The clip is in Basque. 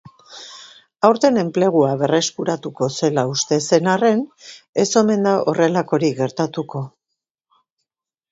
Aurten enplegua berreskuratuko zela uste zen arren, ez omen da horrelakorik gertatuko.